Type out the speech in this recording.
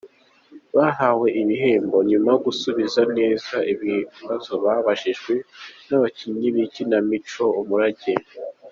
Bahawe ibihembo nyuma yo gusubiza neza ibibazo babajijwe n'abakinnyi b'ikinamico Umurage.